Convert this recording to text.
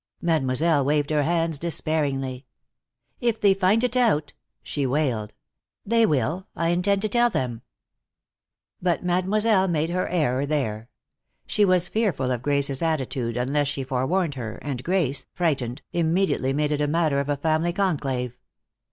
Mademoiselle waved her hands despairingly. "If they find it out!" she wailed. "They will. I intend to tell them." But Mademoiselle made her error there. She was fearful of Grace's attitude unless she forewarned her, and Grace, frightened, immediately made it a matter of a family conclave.